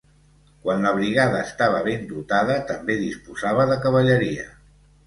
Quan la brigada estava ben dotada també disposava de cavalleria.